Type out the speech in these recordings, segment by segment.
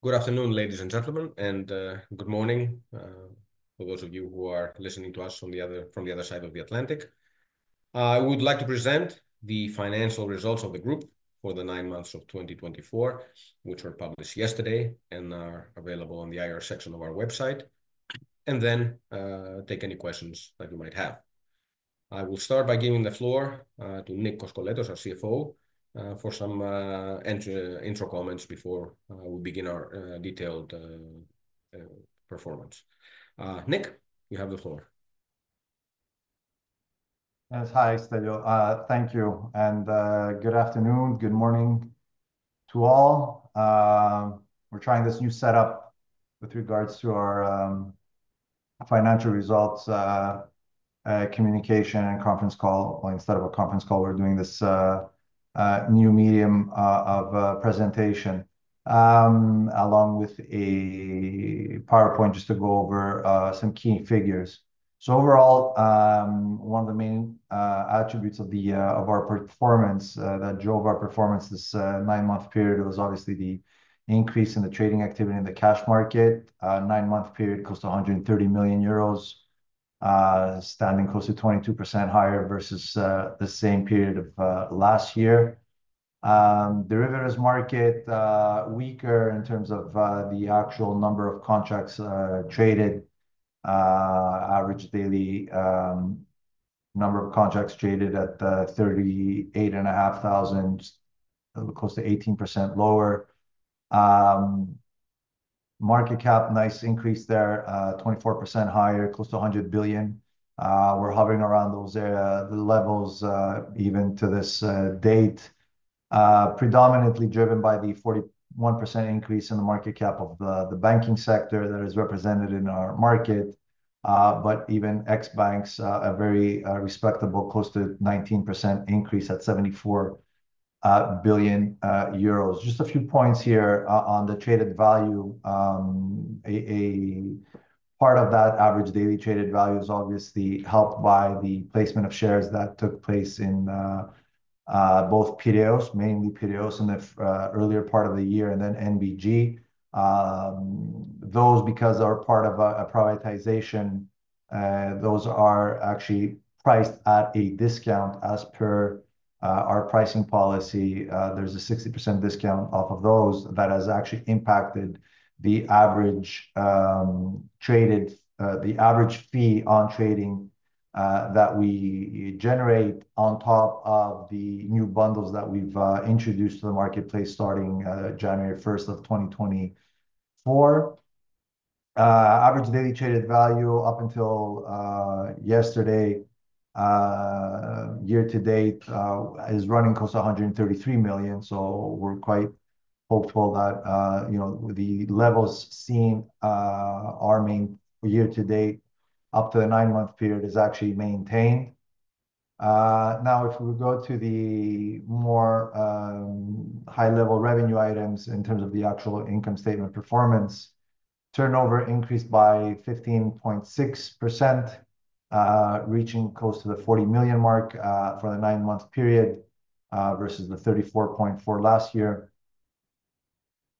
Good afternoon, ladies and gentlemen, and good morning for those of you who are listening to us from the other side of the Atlantic. I would like to present the financial results of the group for the nine months of 2024, which were published yesterday and are available on the IR section of our website, and then take any questions that you might have. I will start by giving the floor to Nick Koskoletos, our CFO, for some intro comments before we begin our detailed performance. Nick, you have the floor. Hi, Stelios. Thank you, and good afternoon, good morning to all. We're trying this new setup with regards to our financial results communication and conference call. Instead of a conference call, we're doing this new medium of presentation along with a PowerPoint just to go over some key figures. So overall, one of the main attributes of our performance that drove our performance this nine-month period was obviously the increase in the trading activity in the cash market. Nine-month period cost 130 million euros, standing close to 22% higher versus the same period of last year. Derivatives market weaker in terms of the actual number of contracts traded. Average daily number of contracts traded at 38,500, close to 18% lower. Market cap, nice increase there, 24% higher, close to 100 billion. We're hovering around those levels even to this date, predominantly driven by the 41% increase in the market cap of the banking sector that is represented in our market, but even ex-banks, a very respectable close to 19% increase at 74 billion euros. Just a few points here on the traded value. A part of that average daily traded value is obviously helped by the placement of shares that took place in both Piraeus, mainly Piraeus in the earlier part of the year, and then NBG. Those, because they are part of a privatization, those are actually priced at a discount as per our pricing policy. There's a 60% discount off of those that has actually impacted the average fee on trading that we generate on top of the new bundles that we've introduced to the marketplace starting January 1st, 2024. Average daily traded value up until yesterday, year-to-date, is running close to 133 million. So we're quite hopeful that the levels seen our main year-to-date up to the nine-month period is actually maintained. Now, if we go to the more high-level revenue items in terms of the actual income statement performance, turnover increased by 15.6%, reaching close to the 40 million mark for the nine-month period versus the 34.4 million last year.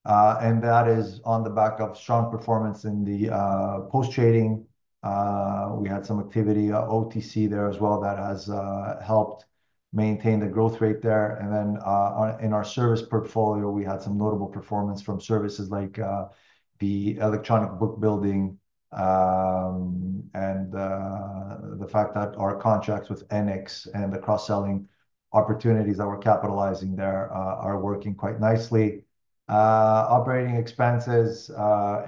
And that is on the back of strong performance in the post-trading. We had some activity, OTC there as well, that has helped maintain the growth rate there. And then in our service portfolio, we had some notable performance from services like the Electronic Book Building and the fact that our contracts with HEnEx and the cross-selling opportunities that we're capitalizing there are working quite nicely. Operating expenses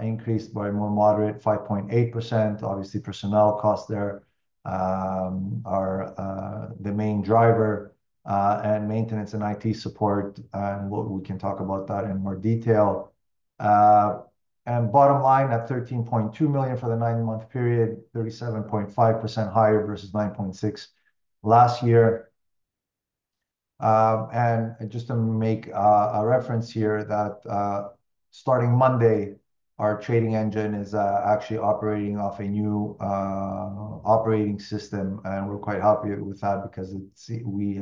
increased by a more moderate 5.8%. Obviously, personnel costs there are the main driver, and maintenance and IT support, and we can talk about that in more detail. And bottom line, at 13.2 million for the nine-month period, 37.5% higher versus 9.6 million last year. And just to make a reference here that starting Monday, our trading engine is actually operating off a new operating system, and we're quite happy with that because we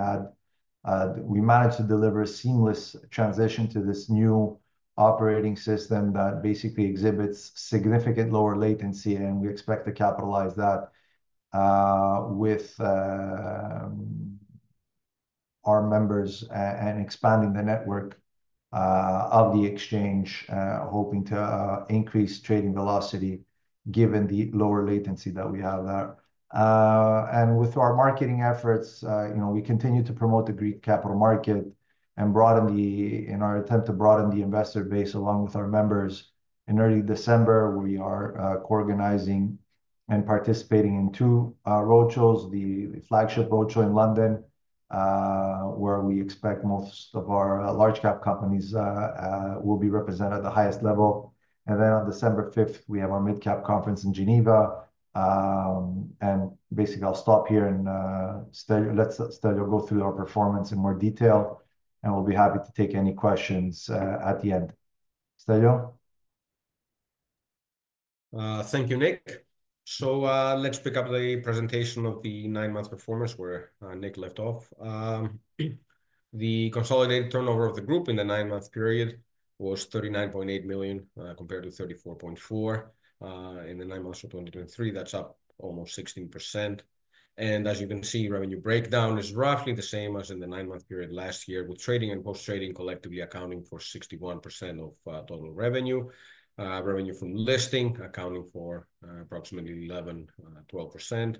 managed to deliver a seamless transition to this new operating system that basically exhibits significant lower latency, and we expect to capitalize that with our members and expanding the network of the exchange, hoping to increase trading velocity given the lower latency that we have there. And with our marketing efforts, we continue to promote the Greek Capital Market and broaden the, in our attempt to broaden the investor base along with our members. In early December, we are co-organizing and participating in two roadshows, the flagship roadshow in London, where we expect most of our large-cap companies will be represented at the highest level, and then on December 5th, we have our mid-cap conference in Geneva. Basically, I'll stop here and let Stelios go through our performance in more detail, and we'll be happy to take any questions at the end. Stelios? Thank you, Nick. So let's pick up the presentation of the nine-month performance where Nick left off. The consolidated turnover of the group in the nine-month period was 39.8 million compared to 34.4 million in the nine months of 2023. That's up almost 16%. And as you can see, revenue breakdown is roughly the same as in the nine-month period last year, with trading and post-trading collectively accounting for 61% of total revenue. Revenue from listing accounting for approximately 11%-12%,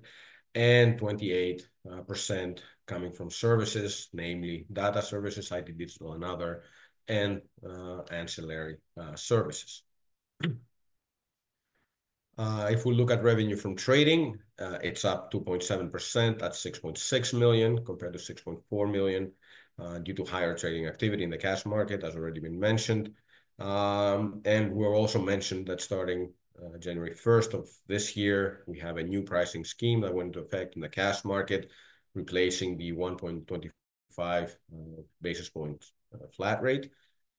and 28% coming from services, namely data services, IT, digital, and other and ancillary services. If we look at revenue from trading, it's up 2.7% at 6.6 million compared to 6.4 million due to higher trading activity in the cash market, as already been mentioned. And we also mentioned that starting January 1st of this year, we have a new pricing scheme that went into effect in the cash market, replacing the 1.25 basis point flat rate.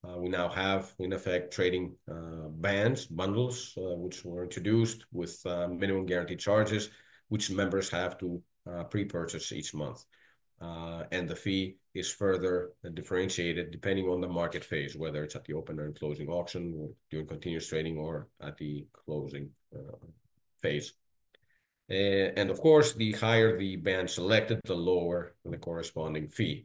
We now have in effect trading bands, bundles, which were introduced with minimum guaranteed charges, which members have to pre-purchase each month. And the fee is further differentiated depending on the market phase, whether it's at the open or closing auction, during continuous trading, or at the closing phase. And of course, the higher the band selected, the lower the corresponding fee.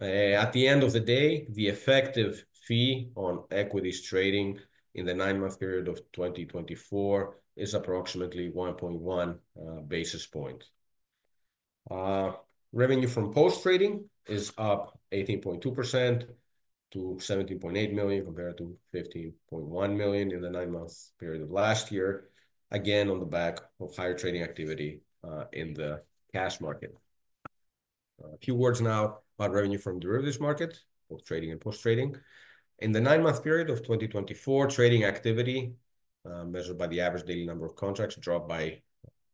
At the end of the day, the effective fee on equities trading in the nine-month period of 2024 is approximately 1.1 basis points. Revenue from post-trading is up 18.2% to 17.8 million compared to 15.1 million in the nine-month period of last year, again on the back of higher trading activity in the cash market. A few words now about revenue from derivatives market, both trading and post-trading. In the nine-month period of 2024, trading activity measured by the average daily number of contracts dropped by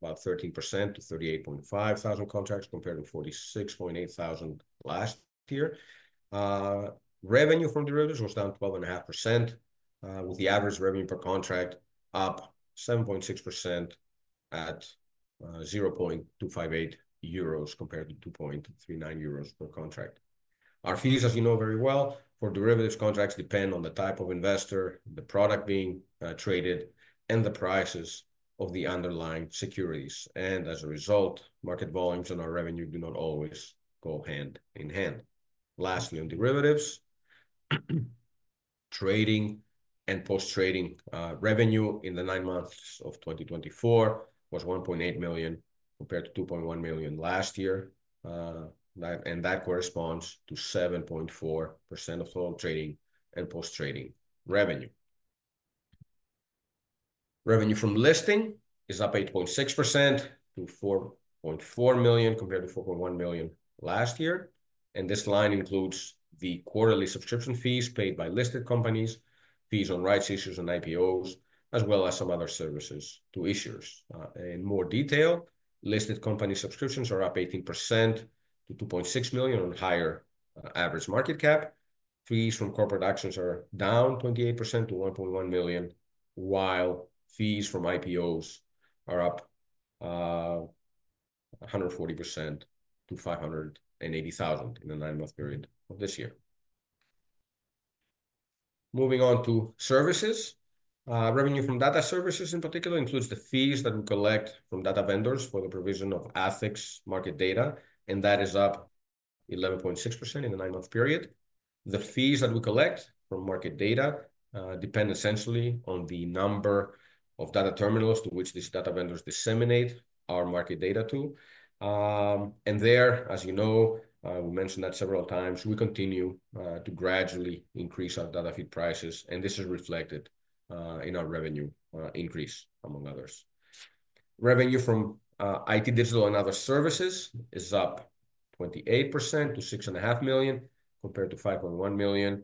about 13% to 38.5 thousand contracts compared to 46.8 thousand last year. Revenue from derivatives was down 12.5%, with the average revenue per contract up 7.6% at 0.258 euros compared to 2.39 euros per contract. Our fees, as you know very well, for derivatives contracts depend on the type of investor, the product being traded, and the prices of the underlying securities, and as a result, market volumes and our revenue do not always go hand-in-hand. Lastly, on derivatives, trading and post-trading revenue in the nine months of 2024 was 1.8 million compared to 2.1 million last year, and that corresponds to 7.4% of total trading and post-trading revenue. Revenue from listing is up 8.6% to 4.4 million compared to 4.1 million last year, and this line includes the quarterly subscription fees paid by listed companies, fees on rights issues and IPOs, as well as some other services to issuers. In more detail, listed company subscriptions are up 18% to 2.6 million on higher average market cap. Fees from corporate actions are down 28% to 1.1 million, while fees from IPOs are up 140% to 580,000 in the nine-month period of this year. Moving on to services, revenue from data services in particular includes the fees that we collect from data vendors for the provision of equities market data, and that is up 11.6% in the nine-month period. The fees that we collect from market data depend essentially on the number of data terminals to which these data vendors disseminate our market data too. And there, as you know, we mentioned that several times, we continue to gradually increase our data feed prices, and this is reflected in our revenue increase, among others. Revenue from IT, digital, and other services is up 28% to 6.5 million compared to 5.1 million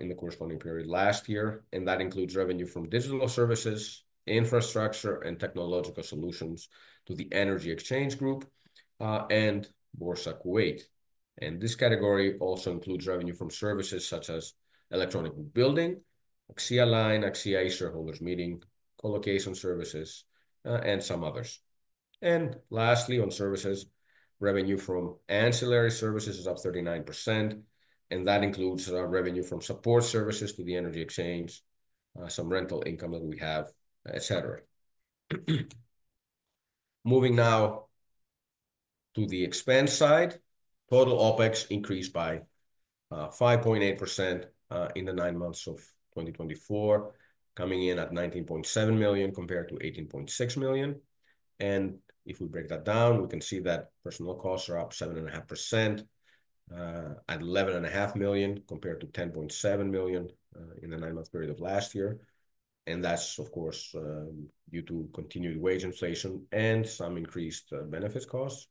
in the corresponding period last year. And that includes revenue from digital services, infrastructure, and technological solutions to the Energy Exchange Group and Boursa Kuwait. And this category also includes revenue from services such as electronic book building, AXIAline, AXIA e-Shareholders' Meeting, colocation services, and some others. And lastly, on services, revenue from ancillary services is up 39%, and that includes revenue from support services to the Energy Exchange, some rental income that we have, etc. Moving now to the expense side, total OPEX increased by 5.8% in the nine months of 2024, coming in at 19.7 million compared to 18.6 million. And if we break that down, we can see that personal costs are up 7.5% at 11.5 million compared to 10.7 million in the nine-month period of last year. And that's, of course, due to continued wage inflation and some increased benefits costs,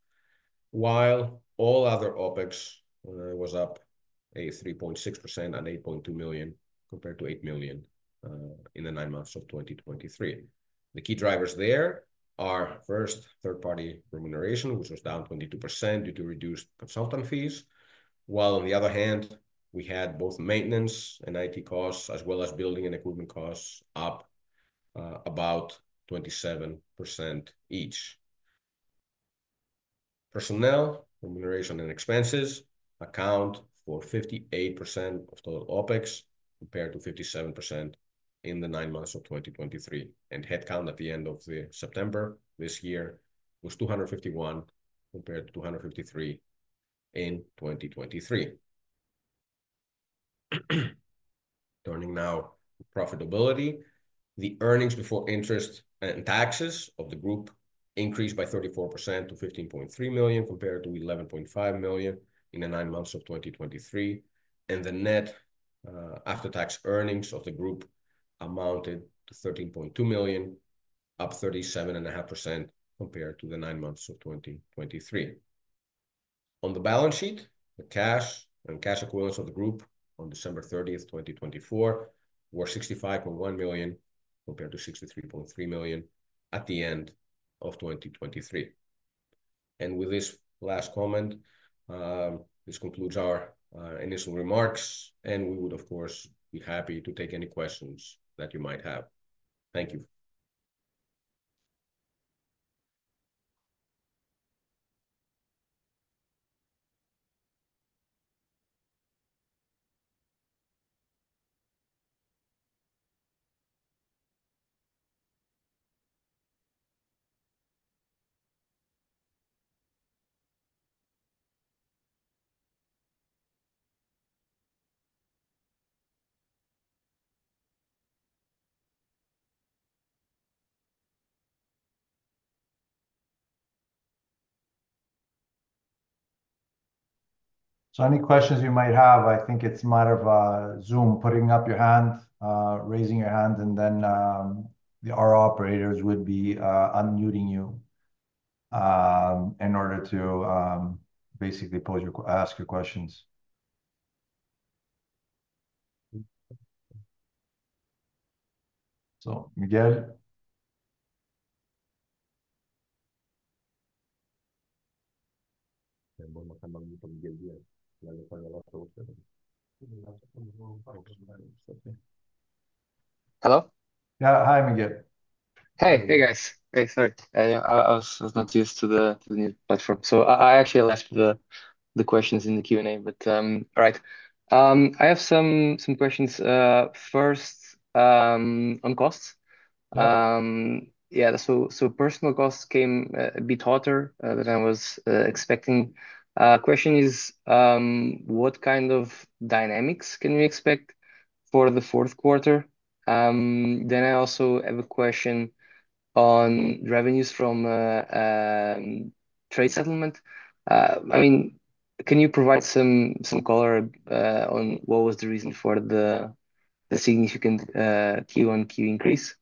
while all other OPEX was up a 3.6% at 8.2 million compared to 8 million in the nine months of 2023. The key drivers there are first, third-party remuneration, which was down 22% due to reduced consultant fees, while on the other hand, we had both maintenance and IT costs as well as building and equipment costs up about 27% each. Personnel, remuneration, and expenses account for 58% of total OPEX compared to 57% in the nine months of 2023. And headcount at the end of September this year was 251 compared to 253 in 2023. Turning now to profitability, the earnings before interest and taxes of the group increased by 34% to 15.3 million compared to 11.5 million in the nine months of 2023, and the net after-tax earnings of the group amounted to 13.2 million, up 37.5% compared to the nine months of 2023. On the balance sheet, the cash and cash equivalents of the group on December 30th, 2024, were 65.1 million compared to 63.3 million at the end of 2023, and with this last comment, this concludes our initial remarks, and we would, of course, be happy to take any questions that you might have. Thank you. Any questions you might have, I think it's a matter of Zoom, putting up your hand, raising your hand, and then our operators would be unmuting you in order to basically ask your questions. So, Miguel. Hello? Yeah. Hi, Miguel. Hey. Hey, guys. Hey, sorry. I was not used to the new platform. So I actually left the questions in the Q&A, but all right. I have some questions. First, on costs. Yeah. So personnel costs came a bit hotter than I was expecting. Question is, what kind of dynamics can we expect for the fourth quarter? Then I also have a question on revenues from trade settlement. I mean, can you provide some color on what was the reason for the significant QoQ increase?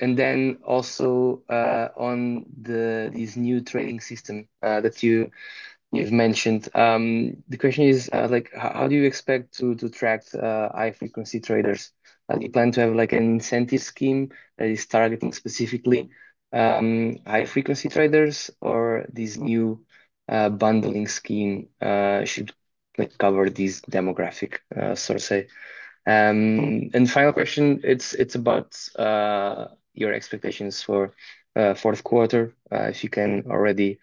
And then also on this new trading system that you've mentioned, the question is, how do you expect to attract high-frequency traders? Do you plan to have an incentive scheme that is targeting specifically high-frequency traders, or this new bundling scheme should cover this demographic source? And final question, it's about your expectations for fourth quarter. If you can already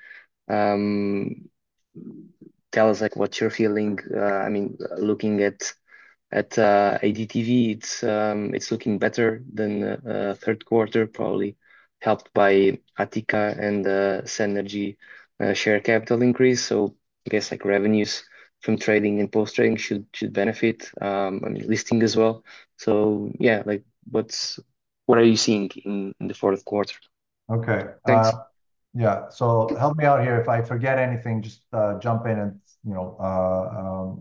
tell us what you're feeling? I mean, looking at ADTV, it's looking better than third quarter, probably helped by Attica and Cenergy share capital increase. So I guess revenues from trading and post-trading should benefit, I mean, listing as well. So yeah, what are you seeing in the fourth quarter? Okay. Thanks. Yeah. So help me out here. If I forget anything, just jump in and remind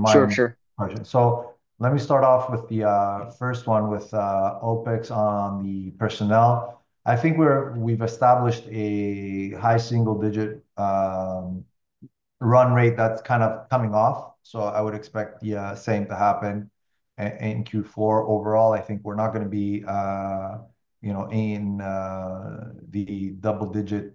me. Sure, sure. So let me start off with the first one with OPEX on the personnel. I think we've established a high single-digit run rate that's kind of coming off. So I would expect the same to happen in Q4. Overall, I think we're not going to be in the double-digit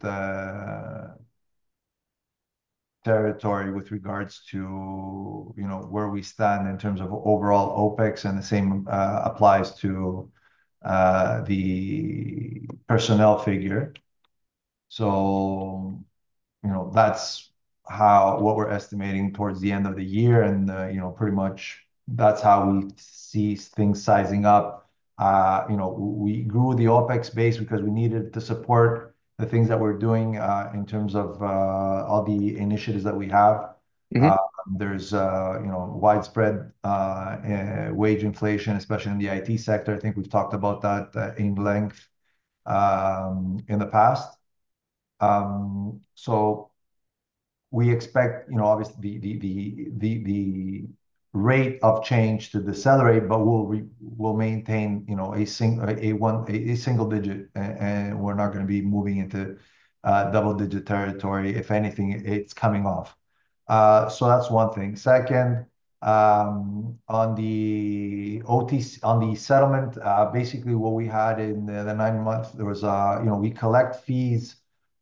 territory with regards to where we stand in terms of overall OPEX, and the same applies to the personnel figure. So that's what we're estimating towards the end of the year. And pretty much that's how we see things sizing up. We grew the OPEX base because we needed to support the things that we're doing in terms of all the initiatives that we have. There's widespread wage inflation, especially in the IT sector. I think we've talked about that at length in the past. So we expect, obviously, the rate of change to decelerate, but we'll maintain a single-digit, and we're not going to be moving into double-digit territory. If anything, it's coming off. So that's one thing. Second, on the settlement, basically what we had in the nine months, there was, we collect fees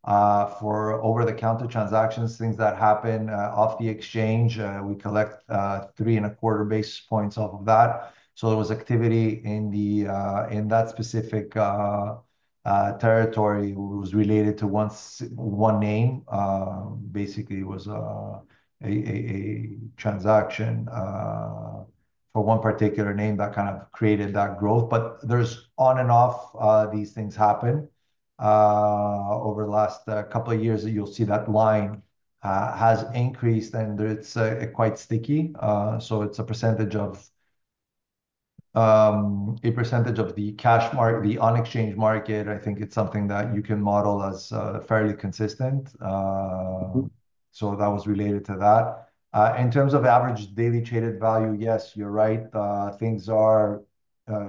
for over-the-counter transactions, things that happen off the exchange. We collect three and a quarter basis points off of that. So there was activity in that specific territory that was related to one name. Basically, it was a transaction for one particular name that kind of created that growth. But these on and off things happen over the last couple of years. You'll see that line has increased, and it's quite sticky. So it's a percentage of a percentage of the cash market, the on-exchange market. I think it's something that you can model as fairly consistent. So that was related to that. In terms of average daily traded value, yes, you're right. Things are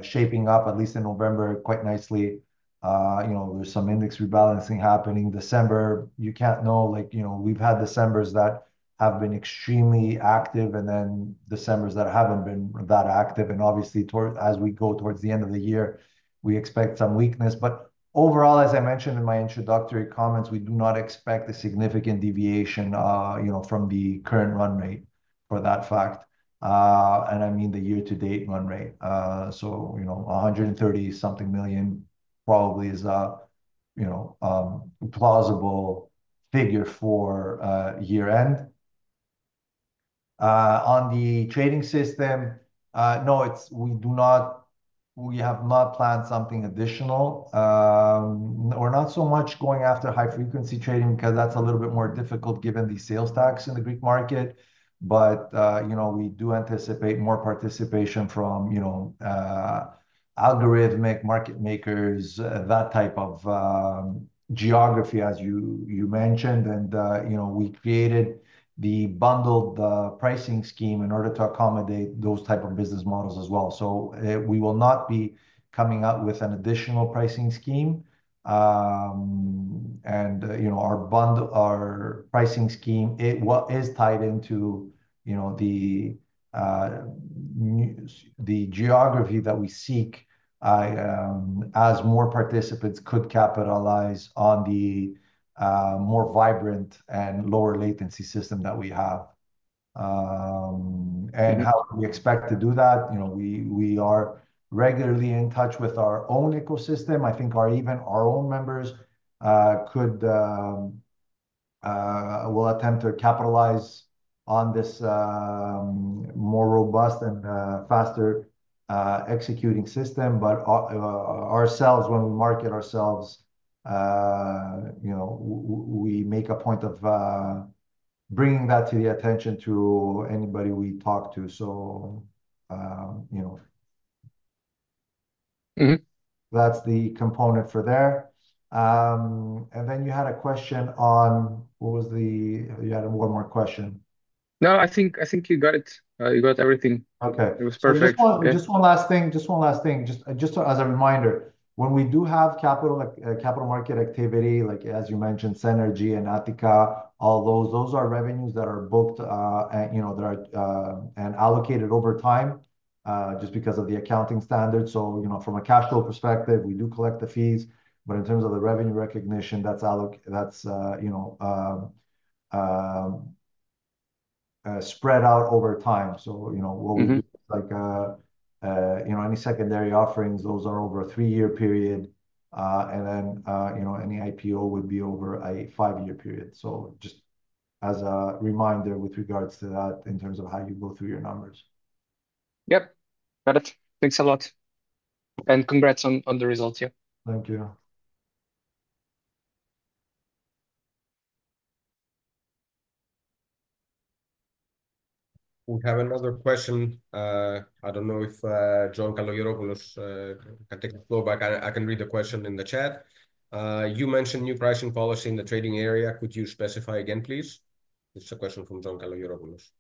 shaping up, at least in November, quite nicely. There's some index rebalancing happening in December. You can't know. We've had Decembers that have been extremely active and then Decembers that haven't been that active. And obviously, as we go towards the end of the year, we expect some weakness. But overall, as I mentioned in my introductory comments, we do not expect a significant deviation from the current run rate for that fact. And I mean the year-to-date run rate. So 130-something million probably is a plausible figure for year-end. On the trading system, no, we have not planned something additional. We're not so much going after high-frequency trading because that's a little bit more difficult given the sales tax in the Greek market. But we do anticipate more participation from algorithmic market makers, that type of geography, as you mentioned. And we created the bundled pricing scheme in order to accommodate those types of business models as well. So we will not be coming up with an additional pricing scheme. And our pricing scheme, it is tied into the geography that we seek as more participants could capitalize on the more vibrant and lower-latency system that we have. And how do we expect to do that? We are regularly in touch with our own ecosystem. I think even our own members will attempt to capitalize on this more robust and faster executing system. But ourselves, when we market ourselves, we make a point of bringing that to the attention to anybody we talk to. So that's the component for there. And then you had a question on what was the. You had one more question. No, I think you got it. You got everything. Okay. It was perfect. Just one last thing. Just one last thing. Just as a reminder, when we do have capital market activity, as you mentioned, Cenergy and Attica, all those, those are revenues that are booked and allocated over time just because of the accounting standard. So from a cash flow perspective, we do collect the fees. But in terms of the revenue recognition, that's spread out over time. So what we do is any secondary offerings, those are over a three-year period. And then any IPO would be over a five-year period. So just as a reminder with regards to that in terms of how you go through your numbers. Yep. Got it. Thanks a lot. And congrats on the results. Yeah. Thank you. We have another question. I don't know if John Kalogeropoulos can take the floor back. I can read the question in the chat. You mentioned new pricing policy in the trading area. Could you specify again, please? This is a question from John Kalogeropoulos.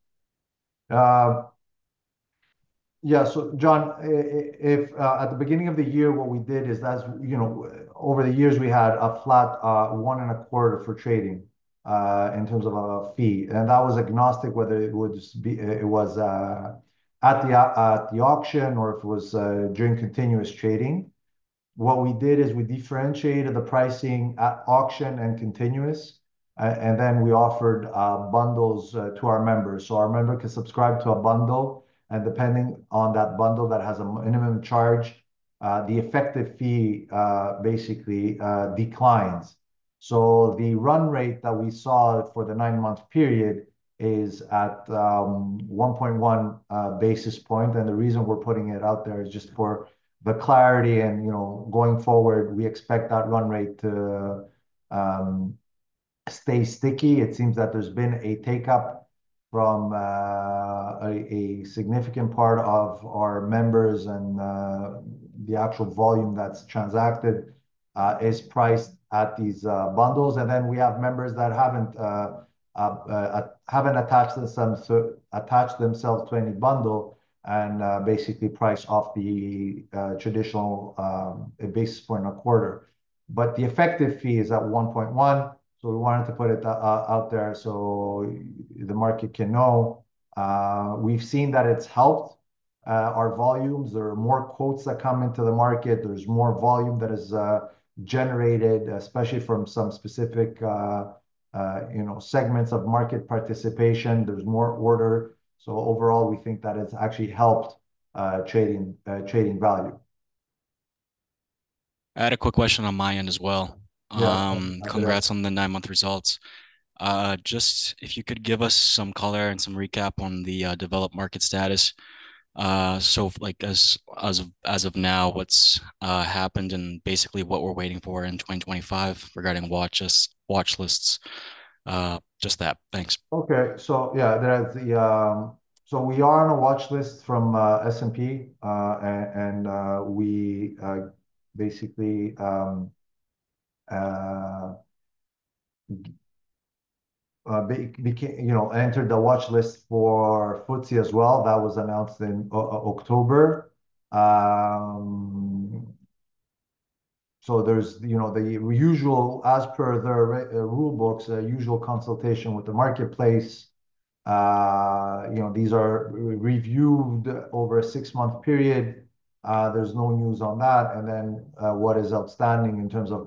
Yeah. So John, at the beginning of the year, what we did is over the years, we had a flat one and a quarter for trading in terms of a fee. And that was agnostic whether it was at the auction or if it was during continuous trading. What we did is we differentiated the pricing at auction and continuous. And then we offered bundles to our members so our member can subscribe to a bundle. And depending on that bundle that has a minimum charge, the effective fee basically declines. So the run rate that we saw for the nine-month period is at 1.1 basis points. And the reason we're putting it out there is just for the clarity. And going forward, we expect that run rate to stay sticky. It seems that there's been a take-up from a significant part of our members, and the actual volume that's transacted is priced at these bundles, and then we have members that haven't attached themselves to any bundle and basically price off the traditional basis point a quarter, but the effective fee is at 1.1, so we wanted to put it out there so the market can know. We've seen that it's helped our volumes. There are more quotes that come into the market. There's more volume that is generated, especially from some specific segments of market participation. There's more order, so overall, we think that it's actually helped trading value. I had a quick question on my end as well. Congrats on the nine-month results. Just if you could give us some color and some recap on the developed market status. So as of now, what's happened and basically what we're waiting for in 2025 regarding watchlists? Just that. Thanks. Okay. So yeah, so we are on a watchlist from S&P, and we basically entered the watchlist for FTSE as well. That was announced in October. So as per the rulebooks, usual consultation with the marketplace. These are reviewed over a six-month period. There's no news on that. And then what is outstanding in terms of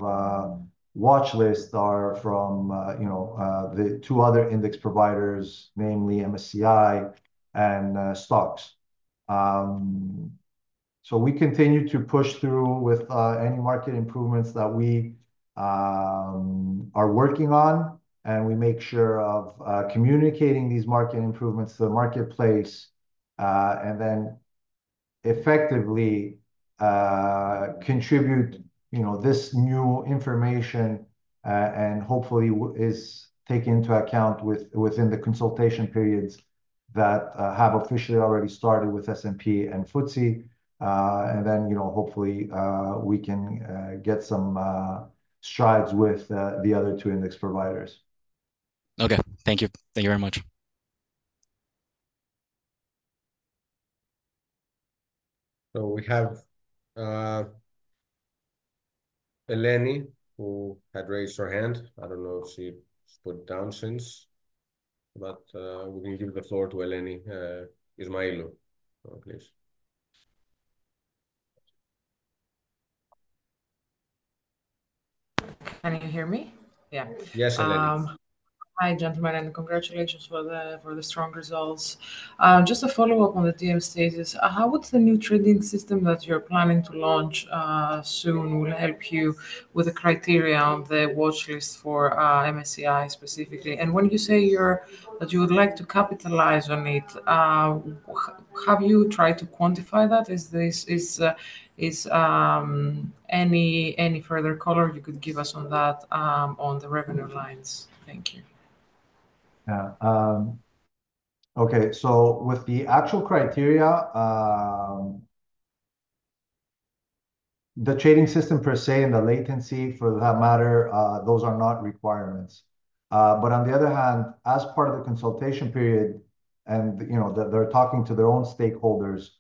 watchlist are from the two other index providers, namely MSCI and STOXX. So we continue to push through with any market improvements that we are working on, and we make sure of communicating these market improvements to the marketplace and then effectively contribute this new information and hopefully is taken into account within the consultation periods that have officially already started with S&P and FTSE. And then hopefully we can get some strides with the other two index providers. Okay. Thank you. Thank you very much. We have Eleni, who had raised her hand. I don't know if she's put it down since, but we're going to give the floor to Eleni Ismailou, please. Can you hear me? Yeah. Yes, Eleni. Hi, gentlemen, and congratulations for the strong results. Just a follow-up on the DM status. How would the new trading system that you're planning to launch soon will help you with the criteria on the watchlist for MSCI specifically? And when you say that you would like to capitalize on it, have you tried to quantify that? Is there any further color you could give us on that, on the revenue lines? Thank you. Yeah. Okay. So with the actual criteria, the trading system per se and the latency for that matter, those are not requirements. But on the other hand, as part of the consultation period, and they're talking to their own stakeholders,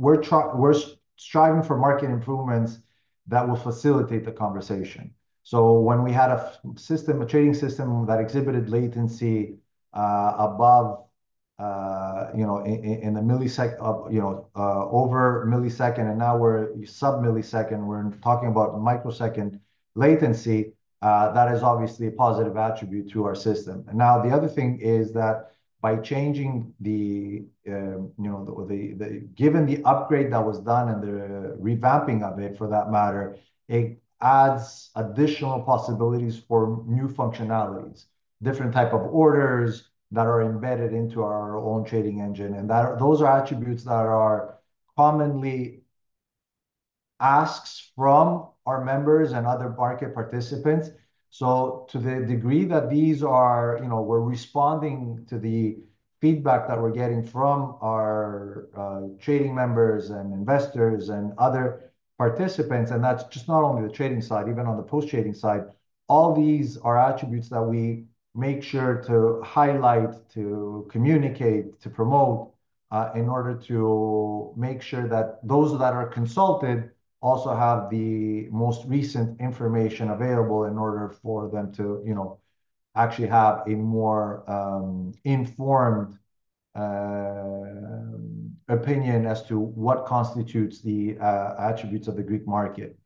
we're striving for market improvements that will facilitate the conversation. So when we had a trading system that exhibited latency above in the millisecond, over millisecond, and now we're sub-millisecond, we're talking about microsecond latency, that is obviously a positive attribute to our system. Now, the other thing is that by changing, given the upgrade that was done and the revamping of it for that matter, it adds additional possibilities for new functionalities, different types of orders that are embedded into our own trading engine. And those are attributes that are commonly asked from our members and other market participants. So, to the degree that these are, we're responding to the feedback that we're getting from our trading members and investors and other participants. And that's just not only the trading side, even on the post-trading side. All these are attributes that we make sure to highlight, to communicate, to promote in order to make sure that those that are consulted also have the most recent information available in order for them to actually have a more informed opinion as to what constitutes the attributes of the Greek market.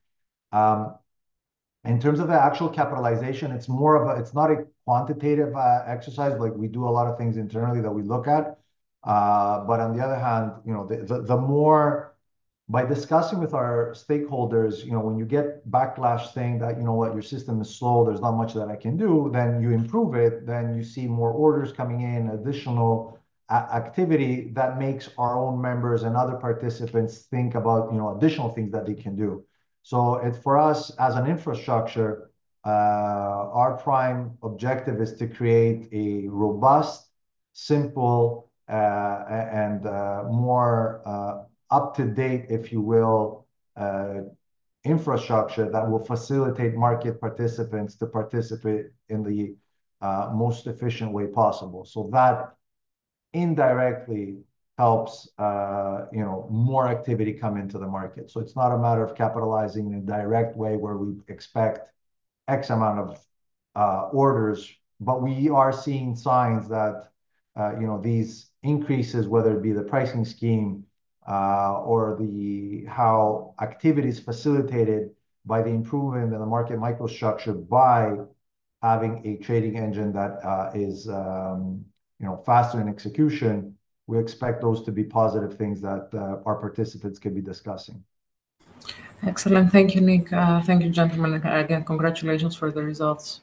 In terms of the actual capitalization, it's not a quantitative exercise. We do a lot of things internally that we look at. But on the other hand, the more by discussing with our stakeholders, when you get backlash saying that, you know what? Your system is slow. There's not much that I can do, then you improve it. Then you see more orders coming in, additional activity that makes our own members and other participants think about additional things that they can do. So for us, as an infrastructure, our prime objective is to create a robust, simple, and more up-to-date, if you will, infrastructure that will facilitate market participants to participate in the most efficient way possible. So that indirectly helps more activity come into the market. So it's not a matter of capitalizing in a direct way where we expect X amount of orders, but we are seeing signs that these increases, whether it be the pricing scheme or how activity is facilitated by the improvement in the market microstructure by having a trading engine that is faster in execution, we expect those to be positive things that our participants can be discussing. Excellent. Thank you, Nick. Thank you, gentlemen. Again, congratulations for the results.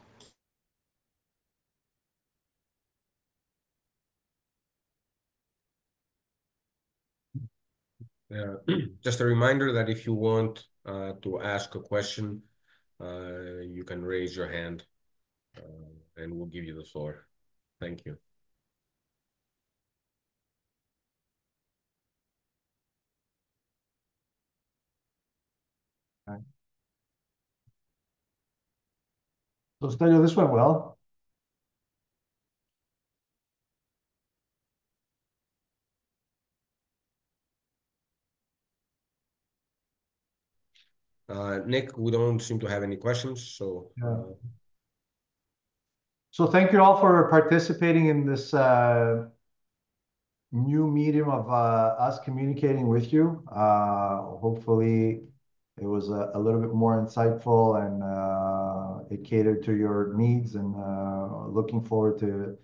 Just a reminder that if you want to ask a question, you can raise your hand, and we'll give you the floor. Thank you. Stelios, this went well. Nick, we don't seem to have any questions, so. So thank you all for participating in this new medium of us communicating with you. Hopefully, it was a little bit more insightful, and it catered to your needs. And looking forward to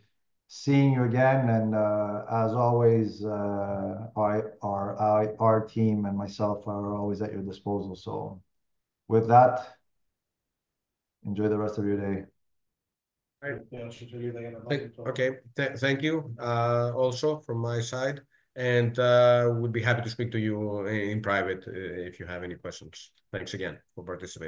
seeing you again. And as always, our team and myself are always at your disposal. So with that, enjoy the rest of your day. Okay. Thank you also from my side. And we'd be happy to speak to you in private if you have any questions. Thanks again for participating.